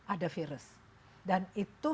ada virus dan itu